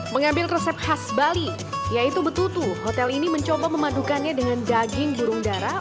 mengambil resep khas bali yaitu betutu hotel ini mencoba memadukannya dengan daging burung darah